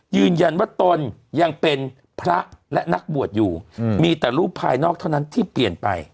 ยืนยันว่าตนยังเป็นพระและนักบวชอยู่มีแต่รูปภายนอกเท่านั้นที่เปลี่ยนไป